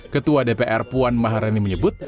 ketua dpr puan maharani menyebut